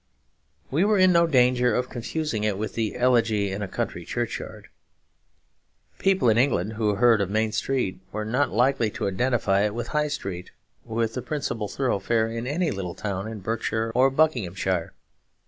We were in no danger of confusing it with the 'Elegy in a Country Churchyard.' People in England who heard of Main Street were not likely to identify it with a High Street; with the principal thoroughfare in any little town in Berkshire or Buckinghamshire.